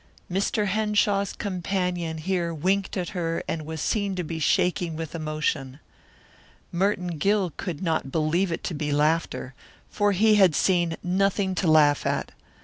Mr. Henshaw's companion here winked at her and was seen to be shaking with emotion. Merton Gill could not believe it to be laughter, for he had seen nothing to laugh at.